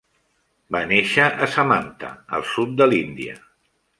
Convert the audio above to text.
Va néixer a Samanta, al sud de l'Índia.